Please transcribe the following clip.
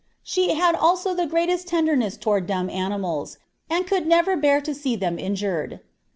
She had also the greatest tenderness toward dumb animals, and never could bear to see them injured.